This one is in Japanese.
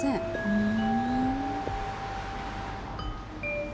うん。